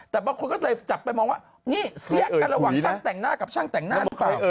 แต่บางคนก็เลยจับไปมองว่านี่เสี้ยกันระหว่างช่างแต่งหน้ากับช่างแต่งหน้าหรือเปล่า